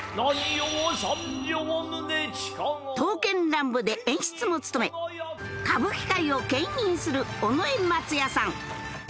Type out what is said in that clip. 『刀剣乱舞』で演出も務め歌舞伎界をけん引する尾上松也さん